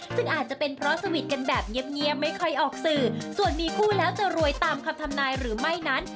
ซึ่งอาจจะเป็นเพราะสวิตช์กันแบบเงียบไม่ค่อยออกสื่อส่วนมีคู่แล้วจะรวยตามคำทำนายหรือไม่นั้น